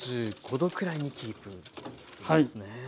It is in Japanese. ℃くらいにキープするんですね。